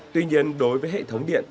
tuy nhiên đối với hệ thống điện